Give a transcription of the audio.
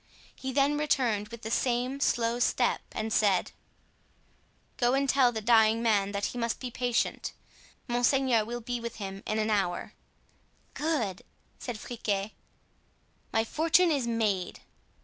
He then returned with the same slow step and said: "Go and tell the dying man that he must be patient. Monseigneur will be with him in an hour." "Good!" said Friquet, "my fortune is made."